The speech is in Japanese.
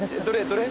どれ？